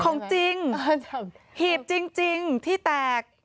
ของจริงหีบจริงที่แตก